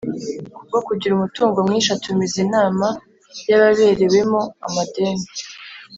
kubwo kugira umutungo mwinshi atumiza inama y ababerewemo amadene